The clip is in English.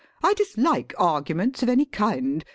I dislike arguments of any kind.